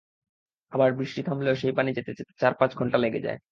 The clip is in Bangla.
আবার বৃষ্টি থামলেও সেই পানি যেতে যেতে চার-পাঁচ ঘণ্টা লেগে যায়।